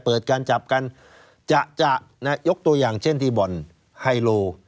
เปิดการจับกันจะจะยกตัวอย่างเช่นที่บ่อนไฮโล